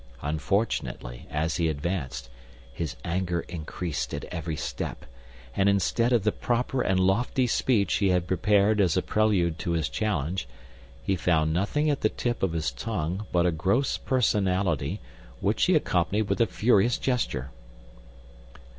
Unfortunately, as he advanced, his anger increased at every step; and instead of the proper and lofty speech he had prepared as a prelude to his challenge, he found nothing at the tip of his tongue but a gross personality, which he accompanied with a furious gesture.